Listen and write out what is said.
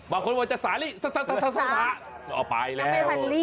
ว่าคนว่าจะสาลิสาเอาไปแล้ว